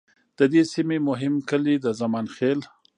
د دې سیمې مهم کلي د زمان خیل،